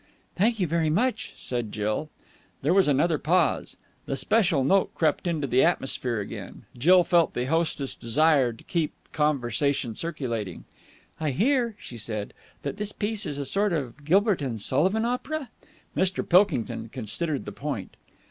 "Thank you very much," said Jill. There was another pause. The social note crept into the atmosphere again. Jill felt the hostess' desire to keep conversation circulating. "I hear," she said, "that this piece is a sort of Gilbert and Sullivan opera." Mr. Pilkington considered the point.